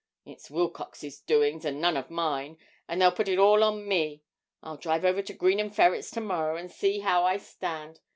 It's Wilcox's doings, and none of mine; but they'll put it all on me. I'll drive over to Green & Ferret's to morrow, and see how I stand.